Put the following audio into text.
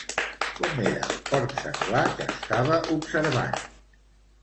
Com era el porc senglar que estava observant?